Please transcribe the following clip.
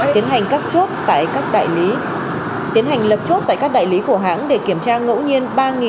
tiến hành lập chốt tại các đại lý của hãng để kiểm tra ngẫu nhiên